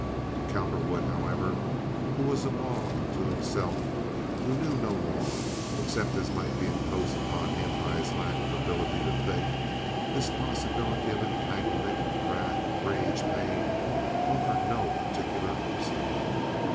To Cowperwood, however, who was a law unto himself, who knew no law except such as might be imposed upon him by his lack of ability to think, this possibility of entanglement, wrath, rage, pain, offered no particular obstacle.